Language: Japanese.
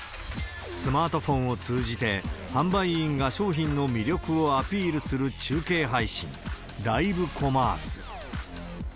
スマートフォンを通じて、販売員が商品の魅力をアピールする中継配信、ライブコマース。